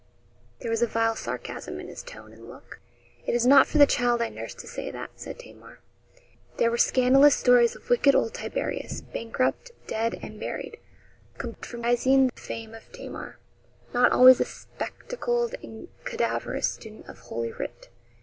There was a vile sarcasm in his tone and look. 'It is not for the child I nursed to say that,' said Tamar. There were scandalous stories of wicked old Tiberius bankrupt, dead, and buried compromising the fame of Tamar not always a spectacled and cadaverous student of Holy Writ.